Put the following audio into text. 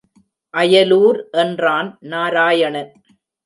அயலூர் என்றான் நாராயணன்.